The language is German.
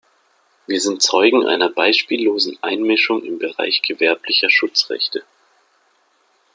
Wir sind Zeugen einer beispiellosen Einmischung im Bereich gewerblicher Schutzrechte.